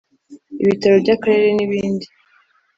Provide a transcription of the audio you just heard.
ibitaro by’akarere n’ibindi